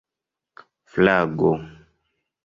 flago